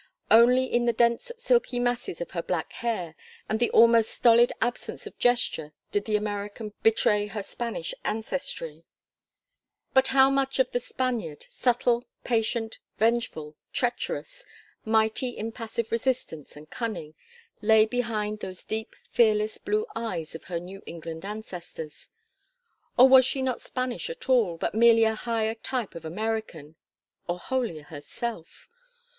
Only in the dense silky masses of her black hair and the almost stolid absence of gesture did the American betray her Spanish ancestry; but how much of the Spaniard, subtle, patient, vengeful, treacherous, mighty in passive resistance and cunning, lay behind those deep fearless blue eyes of her New England ancestors? Or was she not Spanish at all, but merely a higher type of American or wholly herself?